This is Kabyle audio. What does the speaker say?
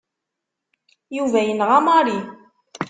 Yuba yenɣa Mary.